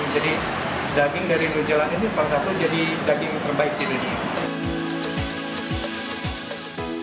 jadi daging dari indonesia ini salah satu jadi daging terbaik di dunia